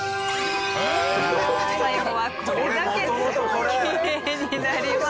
最後はこれだけきれいになりました。